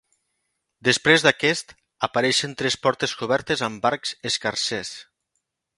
Després d'aquest, apareixen tres portes cobertes amb arcs escarsers.